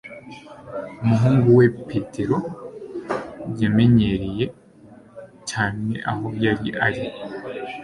Umuhungu we Petero yamenyereye cyane aho yari ari